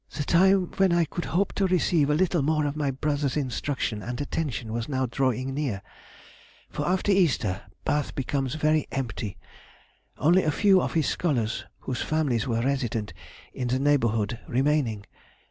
"The time when I could hope to receive a little more of my brother's instruction and attention was now drawing near; for after Easter, Bath becomes very empty; only a few of his scholars whose families were resident in the neighbourhood remaining.